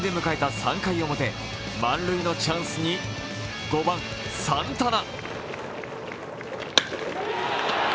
３回表、満塁のチャンスに５番・サンタナ。